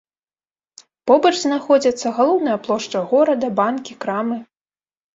Побач знаходзяцца галоўная плошча горада, банкі, крамы.